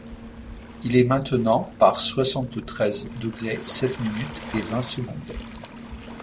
il est maintenant par soixante-treize degrés sept minutes et vingt secondes!